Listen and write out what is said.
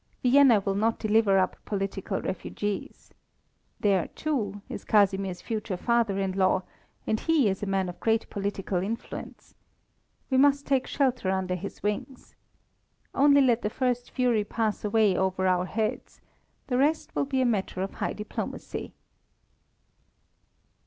Vienna will not deliver up political refugees. There, too, is Casimir's future father in law, and he is a man of great political influence. We must take shelter under his wings. Only let the first fury pass away over our heads; the rest will be a matter of high diplomacy."